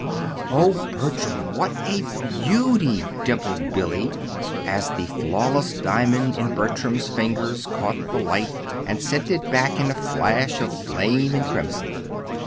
"Oh, Bertram, what a beauty!" dimpled Billy, as the flawless diamond in Bertram's fingers caught the light and sent it back in a flash of flame and crimson.